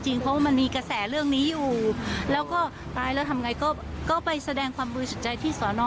เพราะว่ามันมีกระแสเรื่องนี้อยู่แล้วก็ตายแล้วทำไงก็ไปแสดงความบริสุทธิ์ใจที่สอนอ